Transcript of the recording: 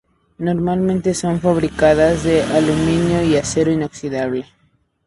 Normalmente son fabricadas de aluminio o acero inoxidable.